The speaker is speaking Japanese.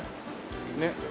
ねっ。